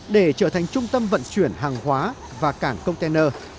để trở thành trung tâm vận chuyển hàng hóa và cảng container